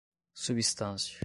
substância